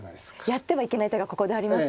やってはいけない手がここでありますか。